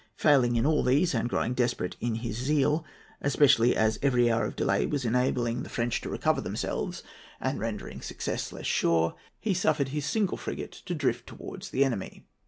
Failing in all these, and growing desperate in his zeal, especially as every hour of delay was enabling the French to recover themselves and rendering success less sure, he suffered his single frigate to drift towards the enemy.